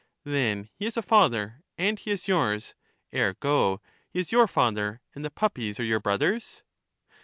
Then he is a father, and he is yours; ergo, he is your father, and the puppies are your brothers.